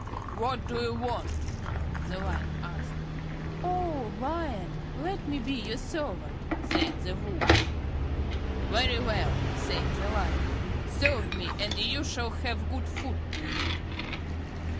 "What do you want?" the Lion asked. "O Lion, let me be your servant," said the Wolf. "Very well," said the Lion, "serve me, and you shall have good food to eat."